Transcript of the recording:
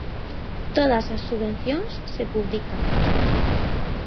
Todas as subvencións se publican.